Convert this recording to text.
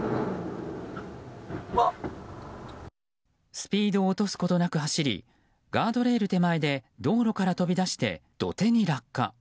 スピードを落とすことなく走りガードレール手前で道路から飛び出して土手に落下。